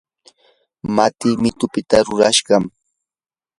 matii mitupita rurashqam.